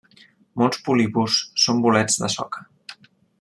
Molts polípors són bolets de soca.